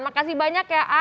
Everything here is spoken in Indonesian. makasih banyak ya